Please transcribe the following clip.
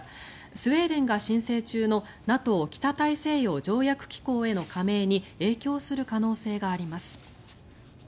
スウェーデンが申請中のＮＡＴＯ・北大西洋条約機構への加盟に影響する可能性があります。